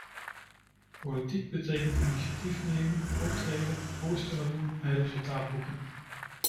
Politiek betekent initiatief nemen, optreden, voorstellen doen en resultaten boeken.